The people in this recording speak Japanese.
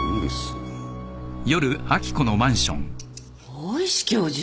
大石教授？